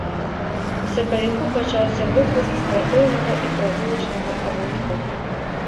У сакавіку пачаўся выпуск спартыўнага і прагулачнага абутку.